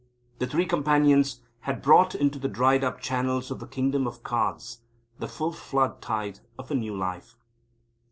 The Three Companions had brought into the dried up channels of the Kingdom of Cards the full flood tide of a new life.